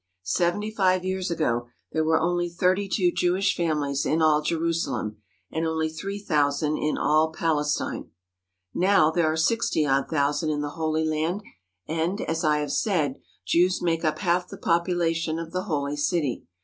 Seventy five years ago there were only thirty two Jewish families in all Jerusalem and only three thousand in all Pales tine. Now there are sixty odd thousand in the Holy Land and, as I have said, Jews make up half the population of the Holy City.